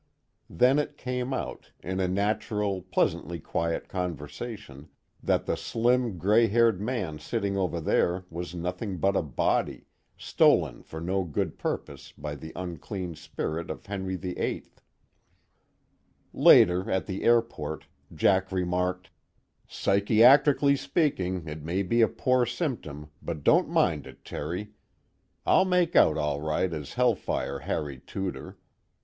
Then it came out, in a natural, pleasantly quiet conversation, that the slim gray haired man sitting over there was nothing but a body, stolen for no good purpose by the unclean spirit of Henry VIII. Later, at the airport, Jack remarked: "Psychiatrically speaking it may be a poor symptom, but don't mind it, Terry. I'll make out all right as hell fire Harry Tudor.